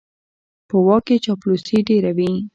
په واک کې چاپلوسي ډېره وي.